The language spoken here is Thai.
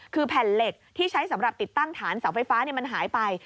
คือแผ่นเหล็กที่ใช้สำหรับติดตั้งฐานเสาไฟฟ้ามันหายไป